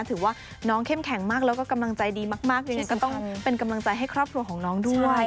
ถือว่าน้องเข้มแข็งมากแล้วก็กำลังใจดีมากยังไงก็ต้องเป็นกำลังใจให้ครอบครัวของน้องด้วย